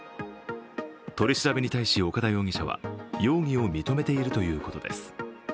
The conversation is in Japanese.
取り調べに対し、岡田容疑者は容疑を認めているということです。